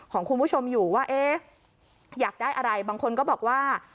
ของคุณผู้ชมอยู่ว่าเอ๊ะอยากได้อะไรบางคนก็บอกว่า